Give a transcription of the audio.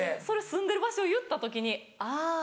それ住んでる場所を言った時に「あぁ」